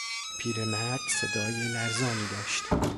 پیر مرد صدای لرزانی داشت.